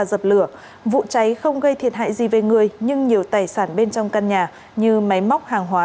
dập lửa vụ cháy không gây thiệt hại gì về người nhưng nhiều tài sản bên trong căn nhà như máy móc hàng hóa